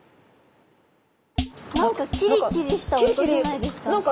何かキリキリした音じゃないですか？